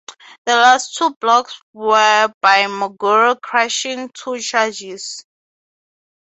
The last two blocks were by Maguire, crushing two Chargers.